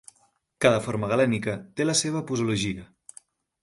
Cada forma Galènica té la seva posologia.